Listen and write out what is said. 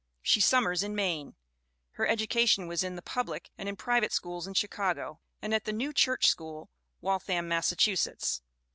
She summers in Maine. Her education was in the public and in pri vate schools in Chicago, and at the New Church School, Waltham, Massachusetts.